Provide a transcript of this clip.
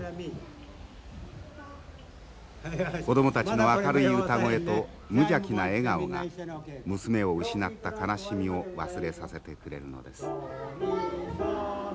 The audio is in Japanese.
子供たちの明るい歌声と無邪気な笑顔が娘を失った悲しみを忘れさせてくれるのです。